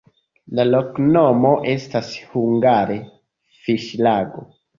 La loknomo estas hungare: fiŝlago.